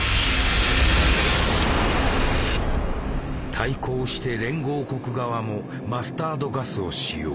対抗して連合国側もマスタードガスを使用。